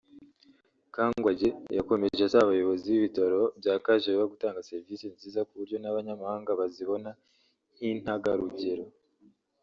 Kangwagye yakomeje asaba abayobozi b’ibitaro bya Kajevuba gutanga serivisi nziza ku buryo n’abanyamahanga bazabibona nk’intagarugero